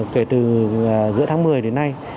kể từ giữa tháng một mươi đến nay